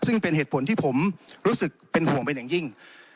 ซึ่งเป็นเหตุผลที่ผมรู้สึกเป็นห่วงเป็นอย่างยิ่ง